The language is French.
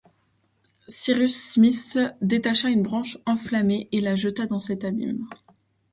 Cyrus Smith détacha une branche enflammée et la jeta dans cet abîme.